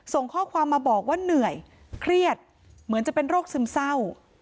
ส่งข้อความมาบอกว่าเหนื่อยเครียดเหมือนจะเป็นโรคซึมเศร้า